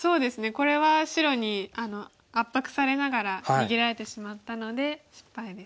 これは白に圧迫されながら逃げられてしまったので失敗ですね。